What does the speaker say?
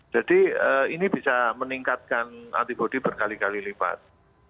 jadi ini bisa meningkatkan antibodi berkali kali lipat